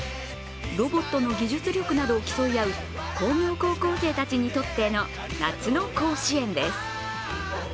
ロボットの技術力などを競い合う工業高校生たちにとっての夏の甲子園です。